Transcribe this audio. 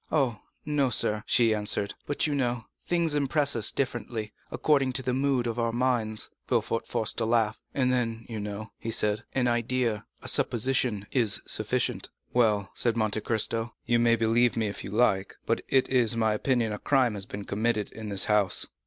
"Oh, no, sir," she answered; "but you know, things impress us differently, according to the mood of our minds." Villefort forced a laugh. "And then, you know," he said, "an idea, a supposition, is sufficient." "Well," said Monte Cristo, "you may believe me if you like, but it is my opinion that a crime has been committed in this house."